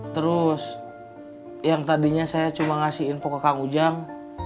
terus yang tadinya saya cuma ngasih info ke kang ujang